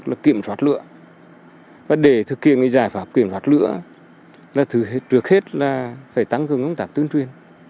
chúng tôi kiểm soát lửa và để thực hiện những giải pháp kiểm soát lửa là trước hết là phải tăng cường công tác tuyến truyền